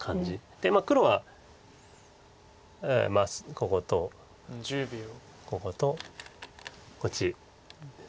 で黒はまずこことこことこっちです。